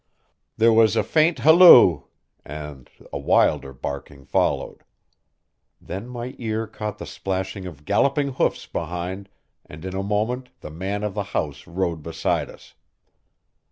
There was a faint halloo, and a wilder barking followed. Then my ear caught the splashing of galloping hoofs behind, and in a moment the man of the house rode beside us.